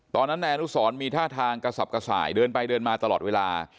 ตอนนั้นนายอนุสรมีท่าทางกระสับกระส่ายเดินไปเดินมาตลอดเวลา